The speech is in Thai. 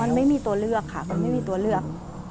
มันไม่มีตัวเลือกค่ะมันไม่มีตัวเลือก